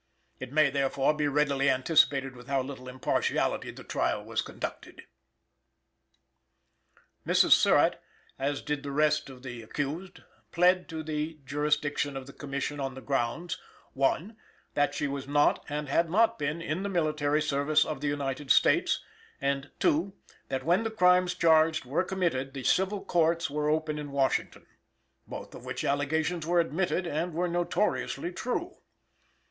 It may, therefore, be readily anticipated with how little impartiality the trial was conducted. Mrs. Surratt (as did the rest of the accused) plead to the jurisdiction of the Commission on the grounds (1) that she was not and had not been in the military service of the United States, and (2) that when the crimes charged were committed the civil courts were open in Washington; both of which allegations were admitted and were notoriously true.